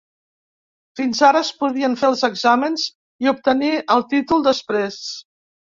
Fins ara, es podien fer els exàmens i obtenir el títol després.